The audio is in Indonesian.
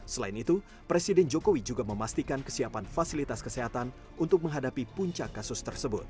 selain itu presiden jokowi juga memastikan kesiapan fasilitas kesehatan untuk menghadapi puncak kasus tersebut